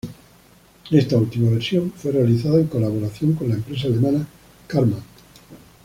Esta última versión fue realizada en colaboración con la empresa alemana Karmann.